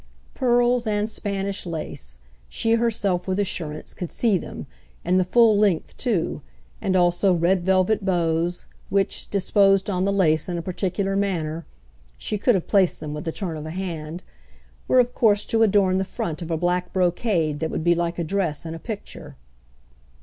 Pearls and Spanish lace—she herself, with assurance, could see them, and the "full length" too, and also red velvet bows, which, disposed on the lace in a particular manner (she could have placed them with the turn of a hand) were of course to adorn the front of a black brocade that would be like a dress in a picture.